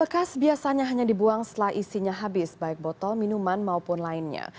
bekas biasanya hanya dibuang setelah isinya habis baik botol minuman maupun lainnya